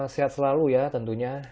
sehat selalu ya tentunya